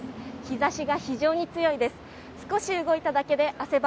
日ざしが非常に強いです。